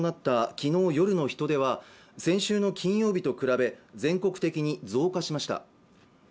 きのう夜の人出は先週の金曜日と比べ全国的に増加しました